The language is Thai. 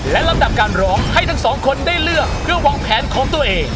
และลำดับการร้องให้ทั้งสองคนได้เลือกเพื่อวางแผนของตัวเอง